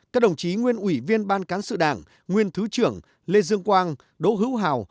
các đồng chí nguyên ủy viên ban cán sự đảng nguyên thứ trưởng lê dương quang đỗ hữu hào